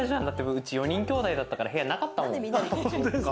うち４人兄弟だったから部屋なかったもん。